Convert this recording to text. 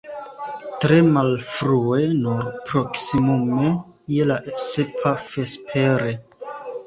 Tre malfrue, nur proksimume je la sepa vespere.